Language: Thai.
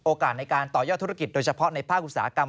ในการต่อยอดธุรกิจโดยเฉพาะในภาคอุตสาหกรรม